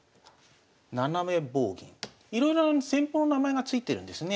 斜め棒銀いろいろな戦法の名前が付いてるんですね。